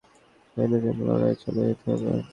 আমাকে ঠান্ডা মাথায় সকল মেয়েদের জন্য লড়াই চালিয়ে যেতে হবে।